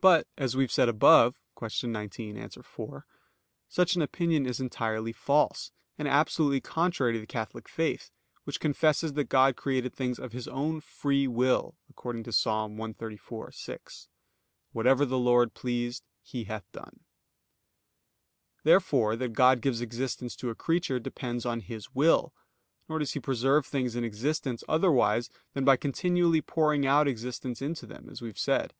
But, as we have said above (Q. 19, A. 4), such an opinion is entirely false, and absolutely contrary to the Catholic faith, which confesses that God created things of His own free will, according to Ps. 134:6: "Whatsoever the Lord pleased, He hath done." Therefore that God gives existence to a creature depends on His will; nor does He preserve things in existence otherwise than by continually pouring out existence into them, as we have said.